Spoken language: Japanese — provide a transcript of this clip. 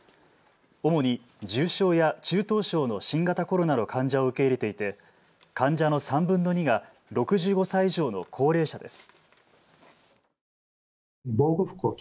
主に重症や中等症の新型コロナの患者を受け入れていて患者の３分の２が６５歳以上の高齢者です。